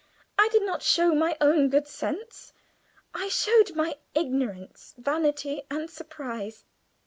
I did not show my own good sense. I showed my ignorance, vanity, and surprise.